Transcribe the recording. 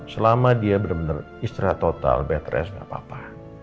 selama dia benar benar istirahat total bed rest gak apa apa